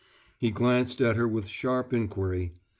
He glanced at her with sharp inquiry.